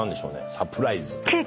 サプライズ。